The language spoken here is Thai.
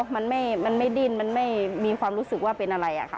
มันไม่ดิ้นมันไม่มีความรู้สึกว่าเป็นอะไรอะค่ะ